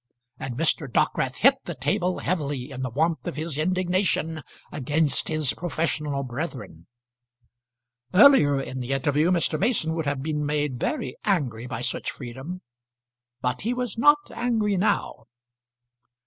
And Mr. Dockwrath hit the table heavily in the warmth of his indignation against his professional brethren. Earlier in the interview Mr. Mason would have been made very angry by such freedom, but he was not angry now.